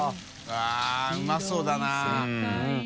わぁうまそうだな。